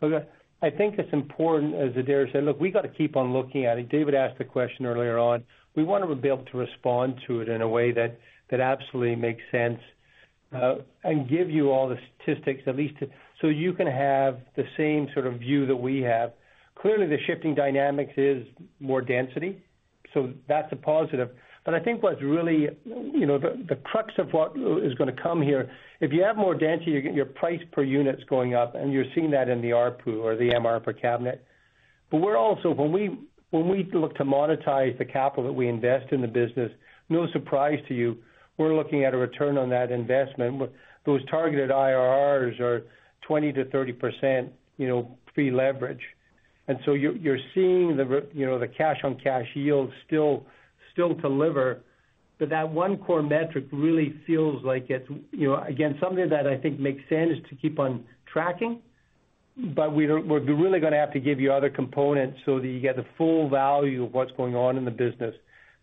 Speaker 4: Look, I think it's important, as Adaire said, look, we got to keep on looking at it. David asked the question earlier on. We want to be able to respond to it in a way that, that absolutely makes sense, and give you all the statistics, at least, so you can have the same sort of view that we have. Clearly, the shifting dynamics is more density, so that's a positive. But I think what's really, you know, the, the crux of what is going to come here, if you have more density, your price per unit is going up, and you're seeing that in the ARPU or the MRR per cabinet. But we're also, when we, when we look to monetize the capital that we invest in the business, no surprise to you, we're looking at a return on that investment. Those targeted IRRs are 20%-30%, you know, pre-leverage. And so you're, you're seeing the re, you know, the cash-on-cash yield still, still deliver. But that one core metric really feels like it's, you know, again, something that I think makes sense to keep on tracking, but we don't, we're really going to have to give you other components so that you get the full value of what's going on in the business.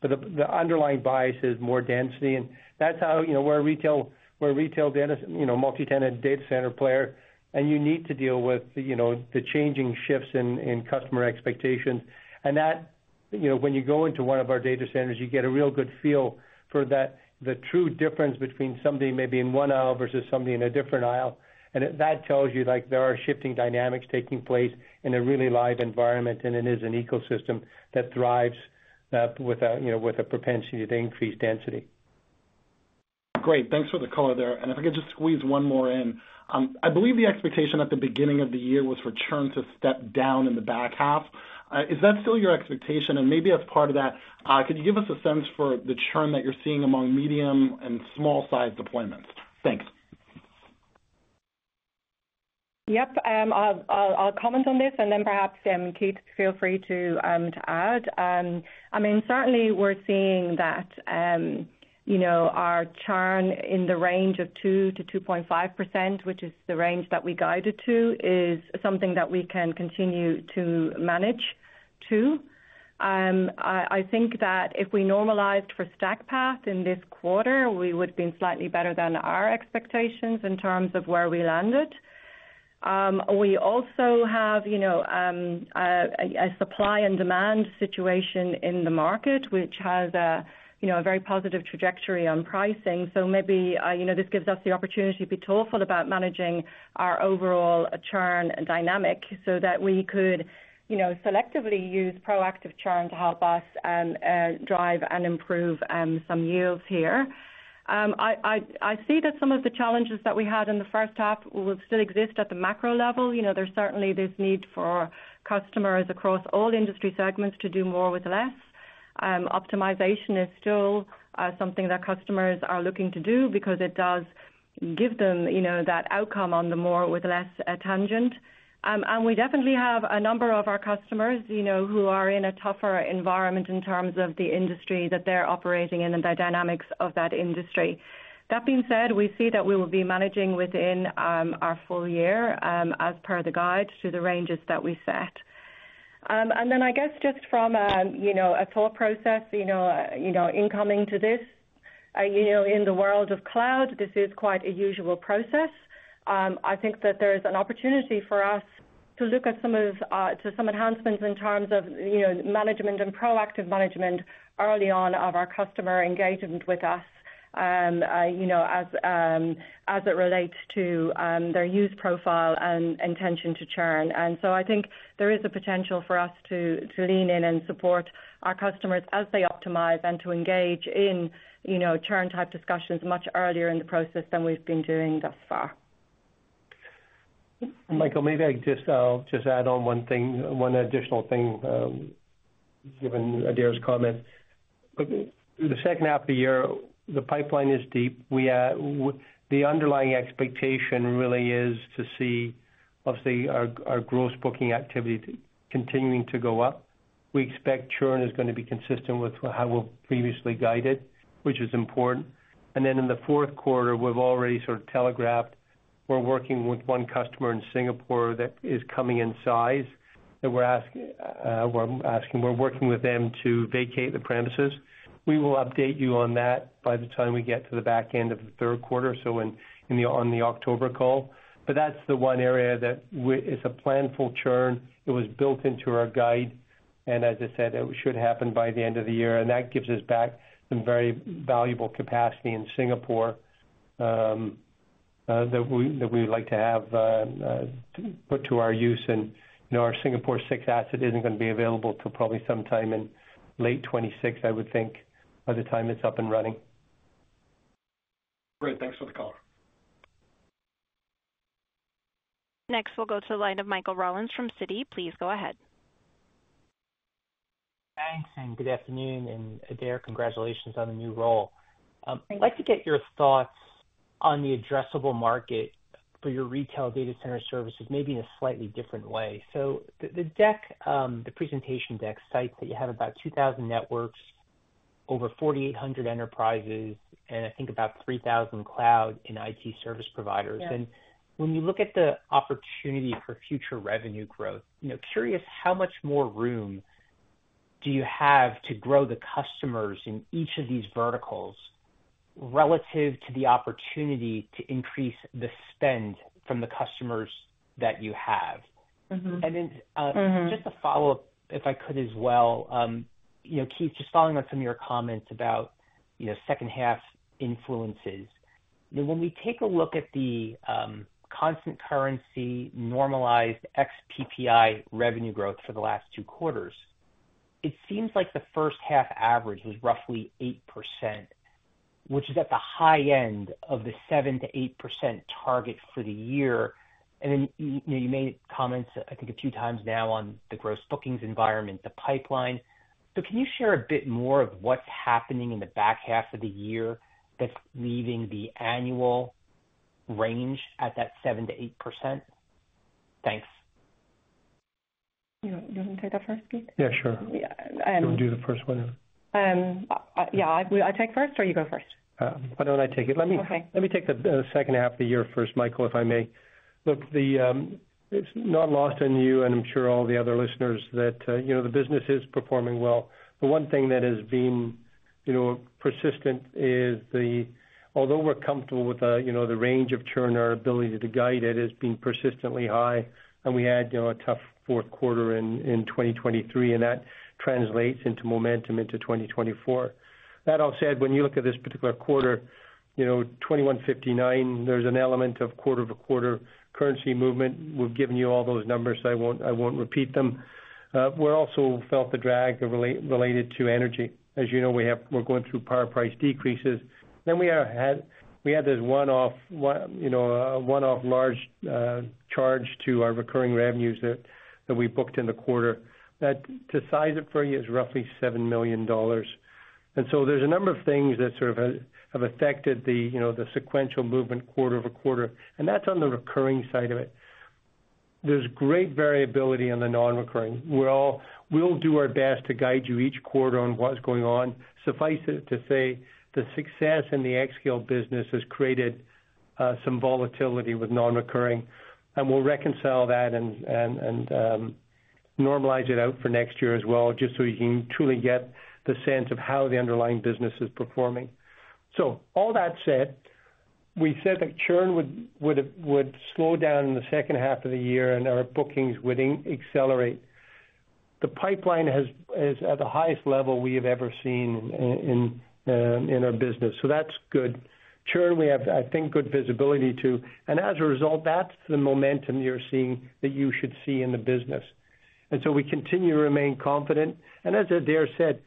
Speaker 4: But the, the underlying bias is more density, and that's how, you know, we're a retail, we're a retail data, you know, multi-tenant data center player, and you need to deal with, you know, the changing shifts in, in customer expectations. And that, you know, when you go into one of our data centers, you get a real good feel for that, the true difference between somebody maybe in one aisle versus somebody in a different aisle. And that tells you, like, there are shifting dynamics taking place in a really live environment, and it is an ecosystem that thrives with a, you know, with a propensity to increase density.
Speaker 9: Great, thanks for the color there. And if I could just squeeze one more in. I believe the expectation at the beginning of the year was for churn to step down in the back half. Is that still your expectation? And maybe as part of that, could you give us a sense for the churn that you're seeing among medium and small-sized deployments? Thanks.
Speaker 3: Yep. I'll comment on this, and then perhaps, Keith, feel free to add. I mean, certainly we're seeing that, you know, our churn in the range of 2%-2.5%, which is the range that we guided to, is something that we can continue to manage to. I think that if we normalized for StackPath in this quarter, we would have been slightly better than our expectations in terms of where we landed. We also have, you know, a supply and demand situation in the market, which has, you know, a very positive trajectory on pricing. So maybe, you know, this gives us the opportunity to be thoughtful about managing our overall churn dynamic so that we could, you know, selectively use proactive churn to help us, drive and improve, some yields here. I see that some of the challenges that we had in the first half will still exist at the macro level. You know, there's certainly this need for customers across all industry segments to do more with less. Optimization is still, something that customers are looking to do because it does give them, you know, that outcome on the more with less, tangent. And we definitely have a number of our customers, you know, who are in a tougher environment in terms of the industry that they're operating in and the dynamics of that industry. That being said, we see that we will be managing within our full year as per the guide to the ranges that we set. And then I guess just from a, you know, a thought process, you know, you know, incoming to this, you know, in the world of cloud, this is quite a usual process. I think that there is an opportunity for us to look at some of, to some enhancements in terms of, you know, management and proactive management early on of our customer engagement with us, you know, as, as it relates to their use profile and intention to churn. I think there is a potential for us to lean in and support our customers as they optimize and to engage in, you know, churn-type discussions much earlier in the process than we've been doing thus far.
Speaker 4: Michael, maybe I just, just add on one thing, one additional thing, given Adaire's comment. But the second half of the year, the pipeline is deep. We, the underlying expectation really is to see, obviously, our, our gross booking activity continuing to go up. We expect churn is going to be consistent with how we've previously guided, which is important. And then in the fourth quarter, we've already sort of telegraphed, we're working with one customer in Singapore that is coming in size, that we're asking, we're asking, we're working with them to vacate the premises. We will update you on that by the time we get to the back end of the third quarter, so in, in the, on the October call. But that's the one area that we, it's a planful churn. It was built into our guide, and as I said, it should happen by the end of the year, and that gives us back some very valuable capacity in Singapore that we would like to have put to our use. And, you know, our Singapore 6 asset isn't going to be available till probably sometime in late 2026, I would think, by the time it's up and running.
Speaker 9: Great. Thanks for the call.
Speaker 1: Next, we'll go to the line of Michael Rollins from Citi. Please go ahead.
Speaker 10: Thanks, and good afternoon, and Adaire, congratulations on the new role. I'd like to get your thoughts on the addressable market for your retail data center services, maybe in a slightly different way. So the deck, the presentation deck, cites that you have about 2,000 networks, over 4,800 enterprises, and I think about 3,000 cloud and IT service providers.
Speaker 3: Yes.
Speaker 10: When you look at the opportunity for future revenue growth, you know, curious, how much more room do you have to grow the customers in each of these verticals relative to the opportunity to increase the spend from the customers that you have?
Speaker 3: Mm-hmm.
Speaker 10: And then,
Speaker 3: Mm-hmm.
Speaker 10: Just a follow-up, if I could as well. You know, Keith, just following up on some of your comments about, you know, second-half influences. When we take a look at the constant currency normalized ex-PPI revenue growth for the last two quarters, it seems like the first half average was roughly 8%, which is at the high end of the 7%-8% target for the year. And then, you know, you made comments, I think, a few times now on the gross bookings environment, the pipeline. So can you share a bit more of what's happening in the back half of the year that's leaving the annual range at that 7%-8%? Thanks.
Speaker 3: You want to take that first, Keith?
Speaker 4: Yeah, sure.
Speaker 3: Yeah, um-
Speaker 4: You want to do the first one?
Speaker 3: Yeah. I take first, or you go first?
Speaker 4: Why don't I take it?
Speaker 3: Okay.
Speaker 4: Let me take the second half of the year first, Michael, if I may. Look, it's not lost on you, and I'm sure all the other listeners that, you know, the business is performing well. The one thing that has been, you know, persistent is the, although we're comfortable with the, you know, the range of churn, our ability to guide it has been persistently high, and we had, you know, a tough fourth quarter in 2023, and that translates into momentum into 2024. That all said, when you look at this particular quarter, you know, 21.59, there's an element of quarter-over-quarter currency movement. We've given you all those numbers, so I won't repeat them. We're also felt the drag related to energy. As you know, we're going through power price decreases. Then we had this one-off, one, you know, one-off large charge to our recurring revenues that we booked in the quarter. That, to size it for you, is roughly $7 million. And so there's a number of things that sort of have affected the, you know, the sequential movement quarter-over-quarter, and that's on the recurring side of it. There's great variability in the non-recurring. We'll do our best to guide you each quarter on what is going on. Suffice it to say, the success in the xScale business has created some volatility with non-recurring, and we'll reconcile that and normalize it out for next year as well, just so you can truly get the sense of how the underlying business is performing. So all that said, we said that churn would slow down in the second half of the year and our bookings would accelerate. The pipeline is at the highest level we have ever seen in our business, so that's good. Churn we have, I think, good visibility to. And as a result, that's the momentum you're seeing, that you should see in the business. And so we continue to remain confident. And as Adaire said,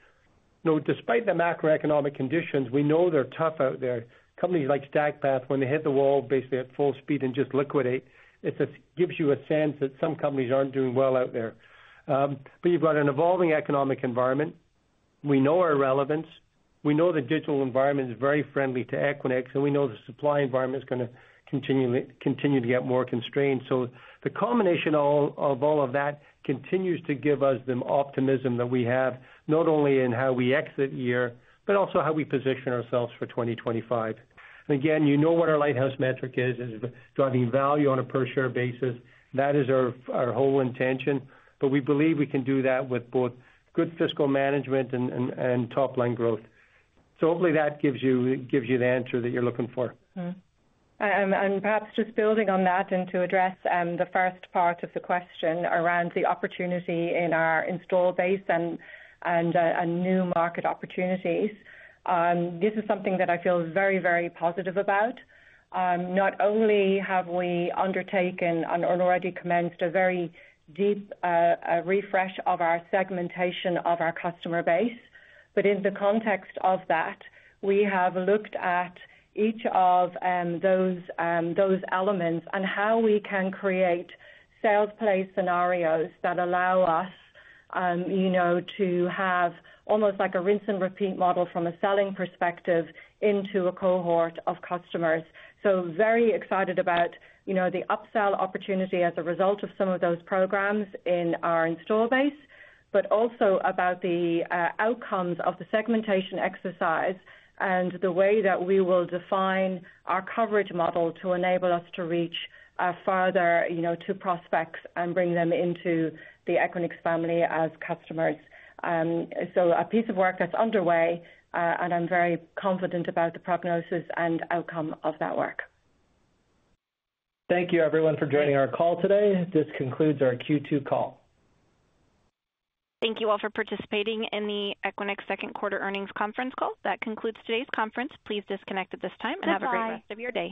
Speaker 4: you know, despite the macroeconomic conditions, we know they're tough out there. Companies like StackPath, when they hit the wall, basically at full speed and just liquidate, it just gives you a sense that some companies aren't doing well out there. But you've got an evolving economic environment. We know our relevance. We know the digital environment is very friendly to Equinix, and we know the supply environment is going to continually continue to get more constrained. So the combination of all of that continues to give us the optimism that we have, not only in how we exit the year, but also how we position ourselves for 2025. Again, you know what our lighthouse metric is driving value on a per share basis. That is our whole intention, but we believe we can do that with both good fiscal management and top-line growth. So hopefully, that gives you the answer that you're looking for.
Speaker 3: Mm-hmm. And perhaps just building on that and to address the first part of the question around the opportunity in our installed base and new market opportunities. This is something that I feel very, very positive about. Not only have we undertaken and already commenced a very deep refresh of our segmentation of our customer base, but in the context of that, we have looked at each of those elements and how we can create sales play scenarios that allow us, you know, to have almost like a rinse and repeat model from a selling perspective into a cohort of customers. So very excited about, you know, the upsell opportunity as a result of some of those programs in our install base, but also about the outcomes of the segmentation exercise and the way that we will define our coverage model to enable us to reach farther, you know, to prospects and bring them into the Equinix family as customers. So a piece of work that's underway, and I'm very confident about the prognosis and outcome of that work.
Speaker 4: Thank you, everyone, for joining our call today. This concludes our Q2 call.
Speaker 1: Thank you all for participating in the Equinix second quarter earnings conference call. That concludes today's conference. Please disconnect at this time.
Speaker 3: Bye-bye.
Speaker 1: Have a great rest of your day.